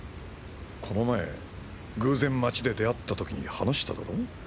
この前偶然街で出会った時に話しただろ？